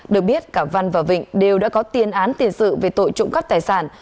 được biết cả văn và vịnh đều đã có tiền án tiền sự về tội trộm cắp tài sản